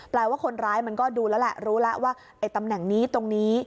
ว่าคนร้ายมันก็ดูแล้วแหละรู้แล้วว่าไอ้ตำแหน่งนี้ตรงนี้